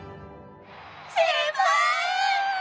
先輩！